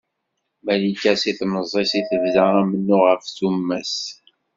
Malika seg temẓi-s i tebda amennuɣ ɣef tumas.